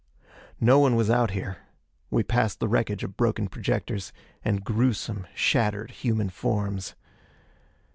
No one was out here. We passed the wreckage of broken projectors, and gruesome, shattered human forms.